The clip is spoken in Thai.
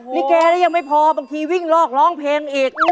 นี่แกแล้วยังไม่พอบางทีวิ่งลอกร้องเพลงอีก